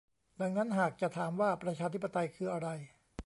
ดังนั้นหากจะถามว่าประชาธิปไตยคืออะไร